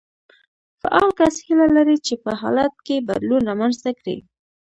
فعال کس هيله لري چې په حالت کې بدلون رامنځته کړي.